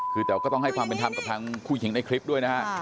คือแต่ก็ต้องให้ความเป็นธรรมกับทางผู้หญิงในคลิปด้วยนะฮะ